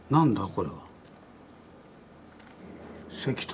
これは。